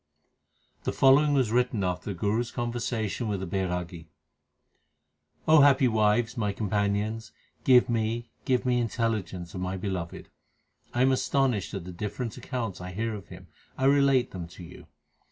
The following was written after the Guru s con versation with a Bairagi : happy wives, my companions, give me, give me intelli gence of my Beloved. 1 am astonished at the different accounts I hear of Him ; I relate them to you.